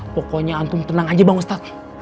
pokoknya antum tenang aja bang ustadz